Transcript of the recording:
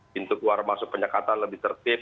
pintu keluar masuk penyekatan lebih tertib